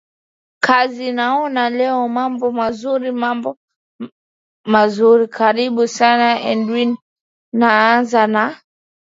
kazi naona leo mambo mazuri mambo mazuri karibu sana edwin naanza na